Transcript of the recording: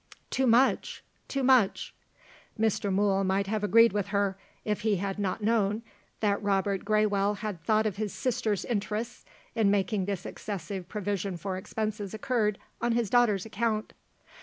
"Too much! too much!" Mr. Mool might have agreed with her if he had nor known that Robert Graywell had thought of his sister's interests, in making this excessive provision for expenses incurred on his daughter's account.